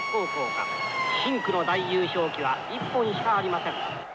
深紅の大優勝旗は一本しかありません。